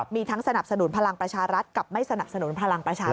มีทั้งสนับสนุนพลังประชารัฐกับไม่สนับสนุนพลังประชารัฐ